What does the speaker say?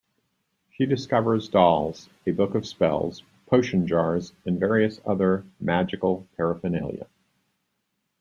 She discovers dolls, a book of spells, potion jars, and various other magical paraphernalia.